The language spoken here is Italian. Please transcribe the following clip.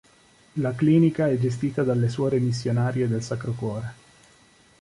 La Clinica è gestita dalle Suore missionarie del Sacro Cuore.